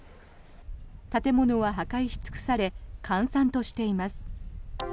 建物は破壊し尽くされ閑散としています。